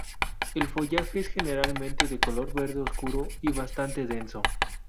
El follaje es generalmente de color verde oscuro y bastante denso.